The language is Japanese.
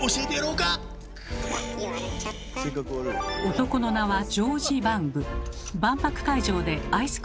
男の名はジョージ・バング。